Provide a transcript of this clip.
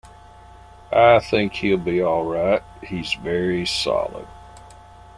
I think he’ll be all right. He’s very solid.